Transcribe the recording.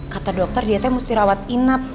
kata dokter dia mesti rawat inap